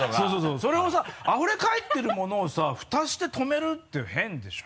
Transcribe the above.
それをさあふれかえってるものをさふたして止めるって変でしょ？